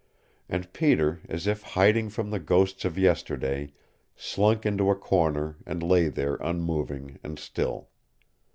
And Peter, as if hiding from the ghosts of yesterday, slunk into a corner and lay there unmoving and still.